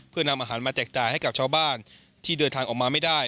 เพื่อนำอาหารมาแจกจ่ายให้กับชาวบ้านที่เดินทางออกมาไม่ได้